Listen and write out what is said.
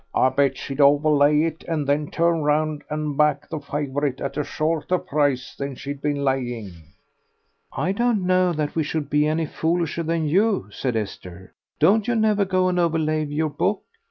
I bet she'd overlay it and then turn round and back the favourite at a shorter price than she'd been laying." "I don't know that we should be any foolisher than you," said Esther; "don't you never go and overlay your book?